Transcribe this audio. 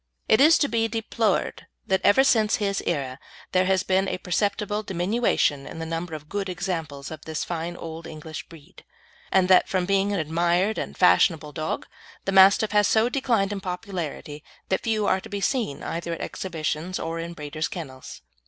It is to be deplored that ever since his era there has been a perceptible diminution in the number of good examples of this fine old English breed, and that from being an admired and fashionable dog the Mastiff has so declined in popularity that few are to be seen either at exhibitions or in breeders' kennels.